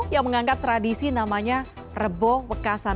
yang mengangkat tradisi namanya rebo wekasan